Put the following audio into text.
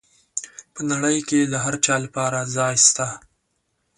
په نړۍ کي د هر چا لپاره ځای سته.